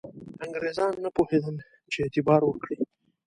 انګرېزان نه پوهېدل چې اعتبار وکړي.